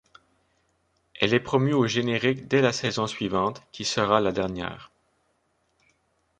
Elle est promue au générique dès la saison suivante, qui sera la dernière.